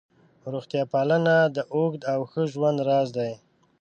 روغتیا پالنه د اوږد او ښه ژوند راز دی.